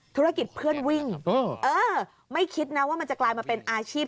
ธุรกิจเพื่อนวิ่งเออไม่คิดนะว่ามันจะกลายมาเป็นอาชีพ